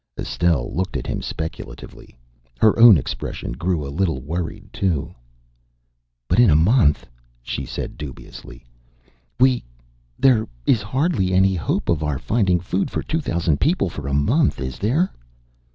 Estelle looked at him speculatively. Her own expression grew a little worried, too. "But in a month," she said dubiously, "we there is hardly any hope of our finding food for two thousand people for a month, is there?"